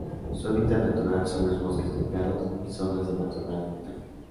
Su hábitat natural son los bosques templados y zonas de matorral de montaña.